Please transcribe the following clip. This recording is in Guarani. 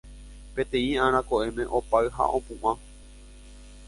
Peteĩ ára ko'ẽme opáy ha opu'ã.